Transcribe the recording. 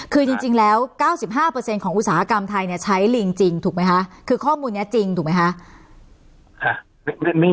คือจริงแล้ว๙๕ของอุตสาหกรรมไทยใช้ลิงจริงถูกไหมคะคือข้อมูลนี้จริงถูกไหมคะ